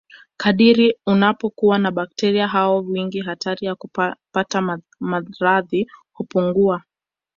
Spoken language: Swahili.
kadiri unapokuwa na bakteria hao kwa wingi hatari ya kupata maradhi hupungua